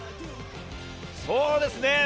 そうですね。